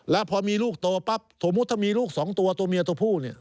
แล้วพอมีลูกโตปั๊บสมมุติถ้ามีลูกสองตัวตัวเมียตัวผู้เนี่ย